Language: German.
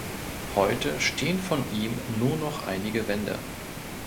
Heute stehen von ihm nur noch einige Wände.